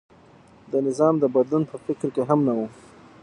د نظام د بدلون په فکر کې هم نه و.